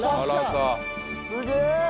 すげえ！